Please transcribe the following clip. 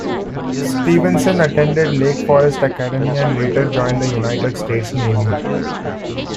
Stevenson attended Lake Forest Academy and later joined the United States Navy.